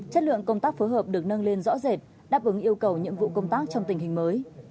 chất lượng công tác phối hợp được nâng lên rõ rệt đáp ứng yêu cầu nhiệm vụ công tác trong tình hình mới